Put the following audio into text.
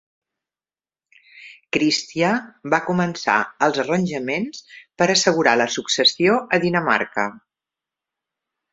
Cristià va començar els arranjaments per assegurar la successió a Dinamarca.